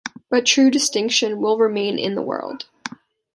But true distinction, will remain in the world.